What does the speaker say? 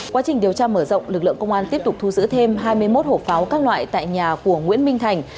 quá trình điều tra mở rộng lực lượng công an tiếp tục thu giữ thêm hai mươi một hộp pháo các loại tại nhà của nguyễn minh thành